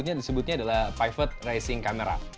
ini disebutnya adalah pivot rising camera